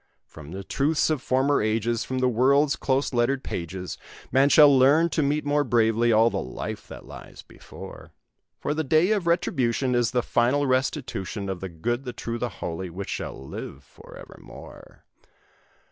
"From the truths of former ages, From the world's close lettered pages, Man shall learn to meet more bravely all the life that lies before; For the day of retribution Is the final restitution Of the good, the true, the holy, which shall live forevermore!